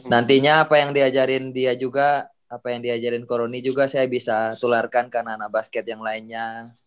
nantinya apa yang diajarin dia juga apa yang diajarin koroni juga saya bisa tularkan ke anak basket yang lainnya